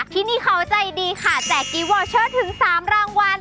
ที่นี่เขาใจดีค่ะแจกกีวอลเชอร์ถึง๓รางวัล